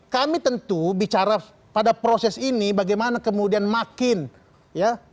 kami tentu bicara pada proses ini bagaimana kemudian makin ya